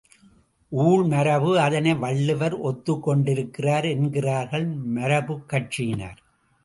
ஊழ் மரபு, அதனை வள்ளுவர் ஒத்துக்கொண்டிருக்கிறார் என்கிறார்கள் மரபுக்கட்சியினர்.